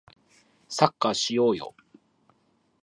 サッカーしようよ